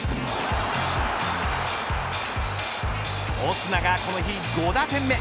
オスナが、この日が５打点目。